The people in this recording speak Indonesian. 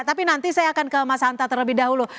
tapi nanti saya akan ke mas hanta terlebih dahulu